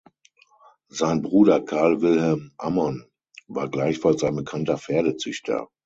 Sein Bruder Karl Wilhelm Ammon war gleichfalls ein bekannter Pferdezüchter.